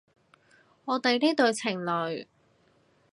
我哋呢對情侣